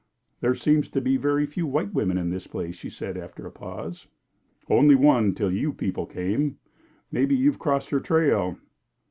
"There seem to be very few white women in this place," she said, after a pause. "Only one, till you people came. Maybe you've crossed her trail?"